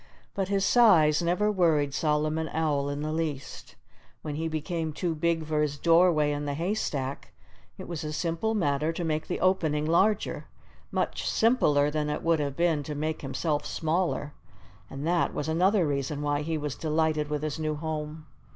But his size never worried Solomon Owl in the least. When he became too big for his doorway in the haystack, it was a simple matter to make the opening larger—much simpler than it would have been to make himself smaller. And that was another reason why he was delighted with his new home.